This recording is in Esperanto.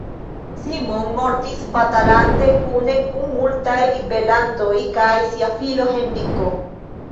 Simon mortis batalante, kune kun multaj ribelantoj kaj sia filo Henriko.